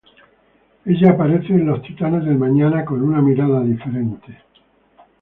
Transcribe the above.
Ella aparece en los "Titanes del Mañana" con una mirada diferente.